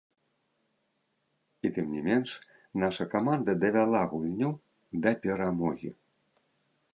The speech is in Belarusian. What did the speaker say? І тым не менш наша каманда давяла гульню да перамогі.